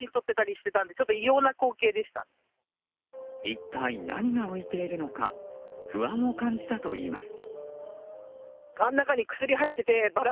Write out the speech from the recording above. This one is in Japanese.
一体何が浮いているのか不安を感じたといいます。